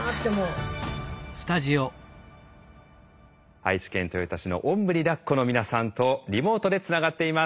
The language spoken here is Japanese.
愛知県豊田市の「おんぶにだっこ」の皆さんとリモートでつながっています。